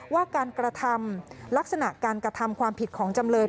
ว่าการกระทำลักษณะการกระทำความผิดของจำเลย